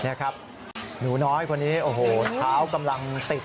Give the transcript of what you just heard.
นี่ครับหนูน้อยคนนี้โอ้โหเท้ากำลังติด